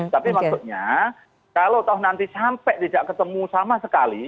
tapi maksudnya kalau nanti sampai tidak ketemu sama sekali